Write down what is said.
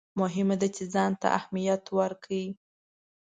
مهمه ده چې ځان ته استراحت ورکړئ.